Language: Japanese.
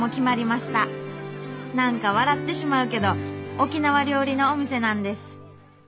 何か笑ってしまうけど沖縄料理のお店なんです」。